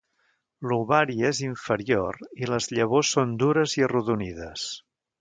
L'ovari és inferior i les llavors són dures i arrodonides.